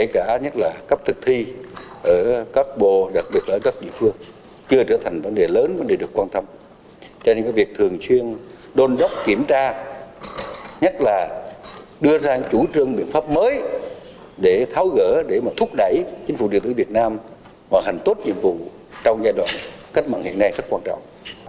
chính phủ địa phương việt nam hoàn thành tốt nhiệm vụ trong giai đoạn cất mạng hiện nay rất quan trọng